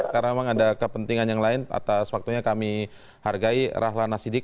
karena memang ada kepentingan yang lain atas waktunya kami hargai rahlan nasiddiq